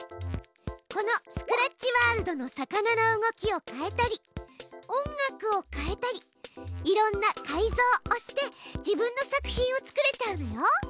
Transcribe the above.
このスクラッチワールドの魚の動きを変えたり音楽を変えたりいろんな改造をして自分の作品を作れちゃうのよ。